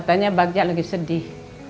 katanya bagjak lagi sedih